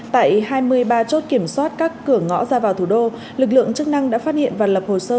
tại hai mươi ba chốt kiểm soát các cửa ngõ ra vào thủ đô lực lượng chức năng đã phát hiện và lập hồ sơ